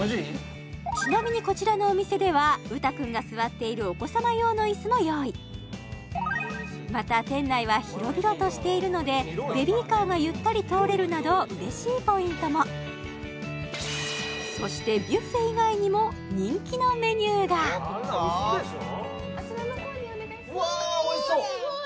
ちなみにこちらのお店では羽汰君が座っているお子様用のイスも用意また店内は広々としているのでベビーカーがゆったり通れるなどうれしいポイントもそしてビュッフェ以外にも人気のメニューがあちらの方にお願いしますわあすごい！